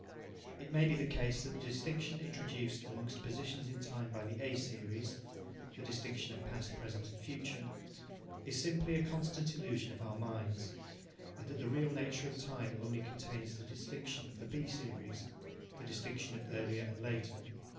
It may be the case that the distinction introduced among positions in time by the A series the distinction of past, present and future is simply a constant illusion of our minds, and that the real nature of time only contains the distinction of the B series the distinction of earlier and later.